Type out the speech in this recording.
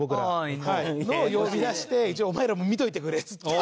いぬを呼び出して「お前らも見ておいてくれ！」っつって。